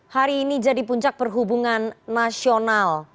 hari ini jadi puncak perhubungan nasional